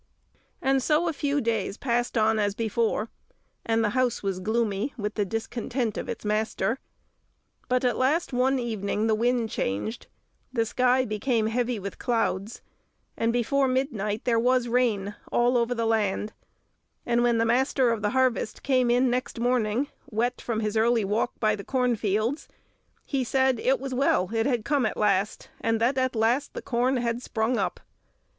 And so a few days passed on as before, and the house was gloomy with the discontent of its master; but at last one evening the wind changed, the sky became heavy with clouds, and before midnight there was rain all over the land; and when the Master of the Harvest came in next morning, wet from his early walk by the cornfields, he said it was well it had come at last, and that, at last, the corn had sprung up.